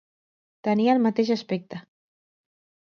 Tenia el mateix aspecte.